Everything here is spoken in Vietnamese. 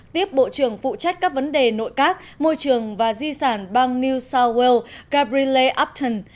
tiếp bộ trưởng phụ trách các vấn đề nội các môi trường và di sản bang new south wales gabrile apton